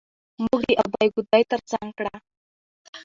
موږ د ابۍ ګودى تر څنګ کړه.